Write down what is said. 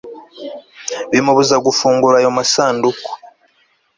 bimubuza gufungura ayo masanduku